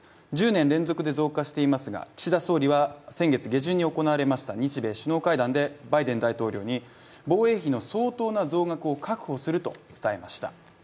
１０年連続で増加していますが岸田総理は先月下旬に行われました日米首脳会談でバイデン大統領に防衛費の相当な増額を確保すると伝えました。